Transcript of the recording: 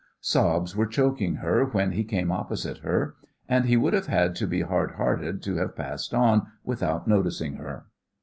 Sobs were choking her when he came opposite her, and he would have had to be hard hearted to have passed on without noticing her.